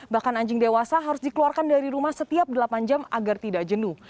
bahkan anjing dewasa harus dikeluarkan dari rumah setiap delapan jam agar tidak jenuh